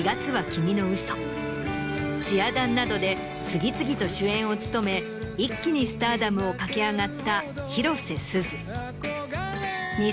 次々と主演を務め一気にスターダムを駆け上がった広瀬すず。